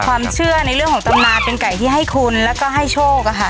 ความเชื่อในเรื่องของตำนานเป็นไก่ที่ให้คุณแล้วก็ให้โชคอะค่ะ